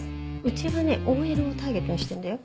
うちはねＯＬをターゲットにしてんだよ？